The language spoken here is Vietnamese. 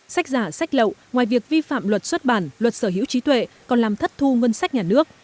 sách giả sách lậu ngoài việc vi phạm luật xuất bản luật sở hữu trí tuệ còn làm thất thu ngân sách nhà nước